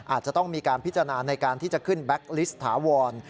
อาจจะต้องมีการพิจารณาในการที่จะขึ้นแบ็คลิสต์ถาวร